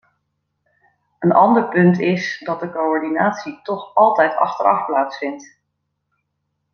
Een ander punt is dat de coördinatie toch altijd achteraf plaatsvindt.